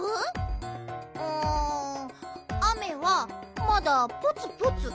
うん雨はまだポツポツ。